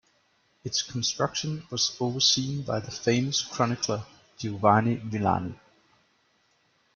Its construction was overseen by the famous chronicler Giovanni Villani.